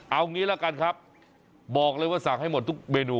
เอางี้ละกันครับบอกเลยว่าสั่งให้หมดทุกเมนู